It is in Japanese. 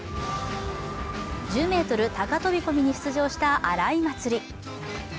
１０ｍ高飛び込みに出場した荒井祭里。